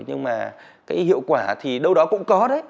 nhưng mà cái hiệu quả thì đâu đó cũng có đấy